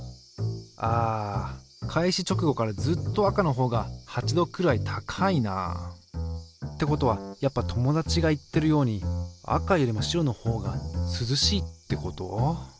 あ開始直後からずっと赤のほうが８℃くらい高いなあ。ってことはやっぱ友達が言ってるように赤よりも白のほうが涼しいってこと？